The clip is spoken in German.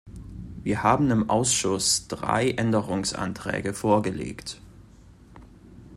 Wir haben im Ausschuss drei Änderungsanträge vorgelegt.